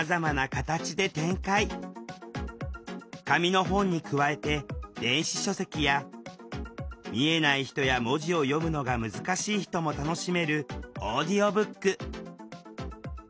紙の本に加えて「電子書籍」や見えない人や文字を読むのが難しい人も楽しめる「オーディオブック」。